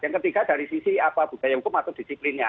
yang ketiga dari sisi apa budaya hukum atau disiplinnya